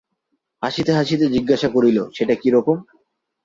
হাসিতে হাসিতে জিজ্ঞাসা করিল, সেটা কিরকম?